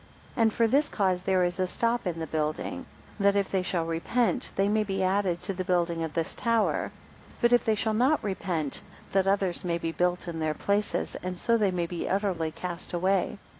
134 And for this cause there is a stop in the building, that if they shall repent, they may be added to the building of this tower; but if they shall not repent, that others may be built in their places, and so they may be utterly cast away.